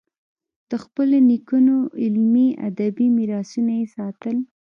د خپلو نیکونو علمي، ادبي میراثونه یې ساتل.